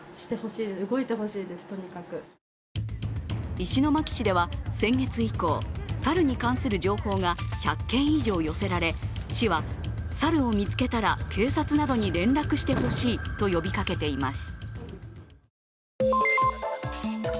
石巻市では先月以降、猿に関する情報が１００件以上寄せられ市は猿を見つけたら警察などに連絡してほしいと呼びかけています。